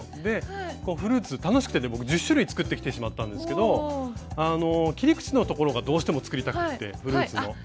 フルーツ楽しくて僕１０種類作ってきてしまったんですけど切り口のところがどうしても作りたくてフルーツの。